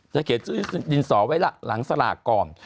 เขียนชื่อดินสอไว้ล่ะหลังสลากก่อน